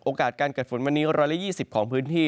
การเกิดฝนวันนี้๑๒๐ของพื้นที่